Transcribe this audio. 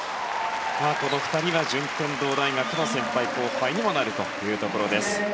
この２人は順天堂大学の先輩後輩にもなるというところです。